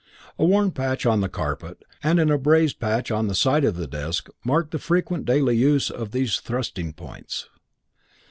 A worn patch on the carpet and an abraised patch on the side of the desk marked the frequent daily use of these thrusting points.